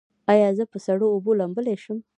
ایا زه په سړو اوبو لامبلی شم؟